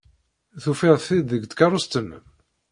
Tufid-t-id deg tkeṛṛust-nnem?